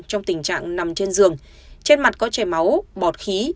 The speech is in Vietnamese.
trong tình trạng nằm trên giường trên mặt có chảy máu bọt khí